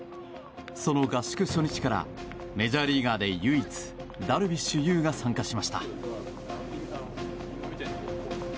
その合宿初日からメジャーリーガーで唯一ダルビッシュ有が参加しました。